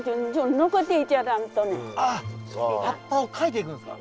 あっ葉っぱをかいていくんですか？